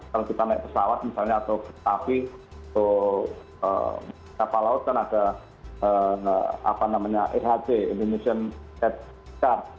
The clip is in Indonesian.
kalau kita naik pesawat misalnya atau ke tapi atau kapal laut kan ada ehc indonesian air car